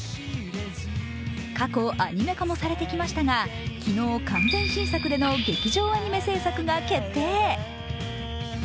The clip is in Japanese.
過去アニメ化もされてきましたが昨日、完全新作での劇場アニメ制作が決定。